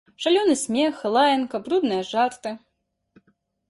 Шалёны смех, лаянка, брудныя жарты.